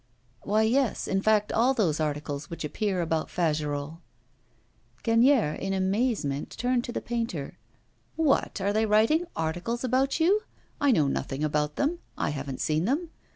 'Why, yes; in fact, all those articles which appear about Fagerolles.' Gagnière in amazement turned to the painter. 'What, are they writing articles about you? I know nothing about them, I haven't seen them.